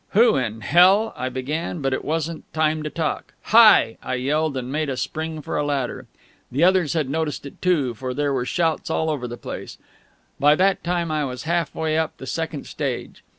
"Who in Hell ..." I began; but it wasn't a time to talk. "Hi!" I yelled, and made a spring for a ladder. The others had noticed it, too, for there were shouts all over the place. By that time I was halfway up the second stage.